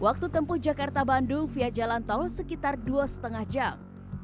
waktu tempuh jakarta bandung via jalan tol sekitar dua lima jam